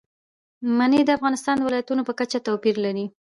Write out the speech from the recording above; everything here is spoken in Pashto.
منی د افغانستان د ولایاتو په کچه توپیر لري.